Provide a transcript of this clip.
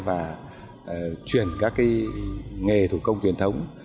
và truyền các cái nghề thủ công truyền thống